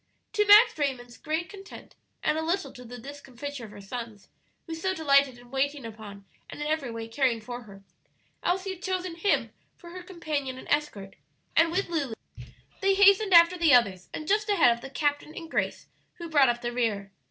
To Max Raymond's great content and a little to the discomfiture of her sons, who so delighted in waiting upon and in every way caring for her, Elsie had chosen him for her companion and escort, and with Lulu they hastened after the others and just ahead of the captain and Grace, who brought up the rear.